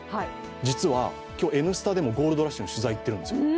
実は今日、「Ｎスタ」でもゴールドラッシュの取材に行っているんですよ。